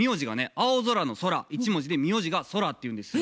「青空」の「空」一文字で名字が「そら」っていうんですよ。